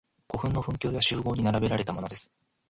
古墳の墳丘や周濠に並べられたものです。